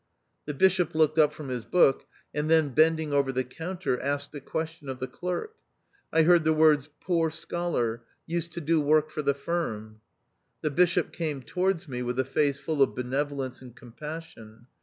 The Bishop looked up from his book, and then bending over the counter asked a question of the clerk. I heard the words, " poor scholar ... used to do work for the firm." The Bishop came towards me with a face full of benevolence and compassion.